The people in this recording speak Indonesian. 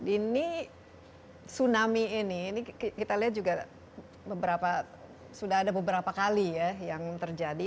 ini tsunami ini kita lihat juga sudah ada beberapa kali ya yang terjadi